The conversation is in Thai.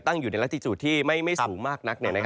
ตั้งอยู่ในลักษิตุที่ไม่สูงมากนัก